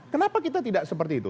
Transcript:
kenapa kita tidak seperti itu